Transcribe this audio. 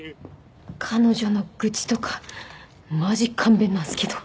彼女の愚痴とかマジ勘弁なんすけど